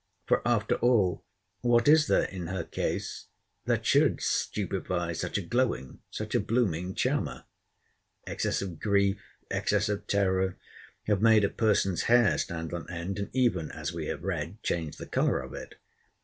For, after all, what is there in her case that should stupify such a glowing, such a blooming charmer?—Excess of grief, excess of terror, have made a person's hair stand on end, and even (as we have read) changed the colour of it.